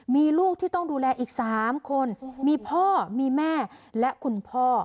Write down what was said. มีลูกที่ต้องดูแลอีก๓คนมีพ่อมีแม่และคุณพ่อ